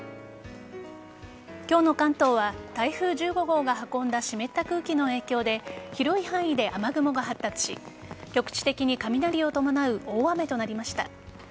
今日の関東は台風１５号が運んだ湿った空気の影響で広い範囲で雨雲が発達し局地的に雷を伴う大雨となりました。